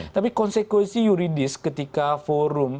tapi konsekuensi yuridis ketika forum